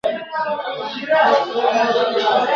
چي مي ښکلي دوستان نه وي چي به زه په نازېدمه ..